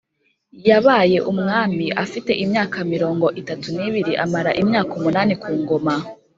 Yabaye umwami afite imyaka mirongo itatu n ibiri amara imyaka umunani ku ngoma